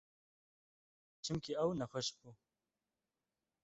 Çimkî ew nexweş bû.